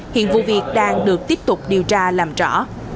hiện vụ việc đang được tiếp tục điều tra làm rõ